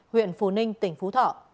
huyện phù ninh tỉnh phú thọ